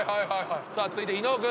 続いて伊野尾君。